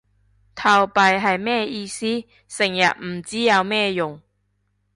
投幣係咩意思？成日唔知有咩用